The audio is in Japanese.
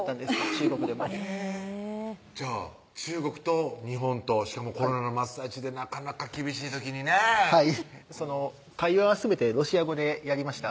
中国でもじゃあ中国と日本としかもコロナの真っ最中でなかなか厳しい時にねはい会話はすべてロシア語でやりました